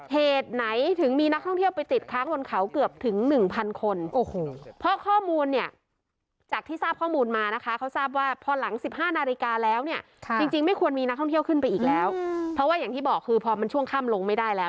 เหตุไหนถึงมีนักท่องเที่ยวไปติดค้างบนเขาเกือบถึงหนึ่งพันคน